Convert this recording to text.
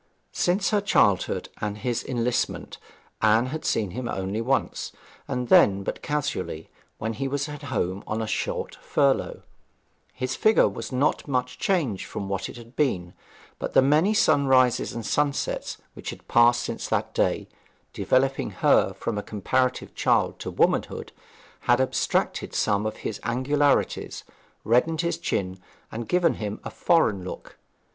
Since her childhood and his enlistment Anne had seen him only once, and then but casually, when he was home on a short furlough. His figure was not much changed from what it had been; but the many sunrises and sunsets which had passed since that day, developing her from a comparative child to womanhood, had abstracted some of his angularities, reddened his skin, and given him a foreign look.